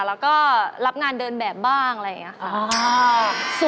แล้วก็รับงานเดินแบบบ้างอะไรอย่างนี้ค่ะ